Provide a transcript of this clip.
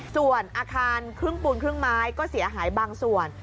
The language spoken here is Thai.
ส่วนอาคารครึ่งปูนครึ่งไม้ก็เสียหายบางส่วน